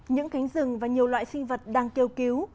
những cánh rừng và nhiều loại sinh vật đang kêu cứu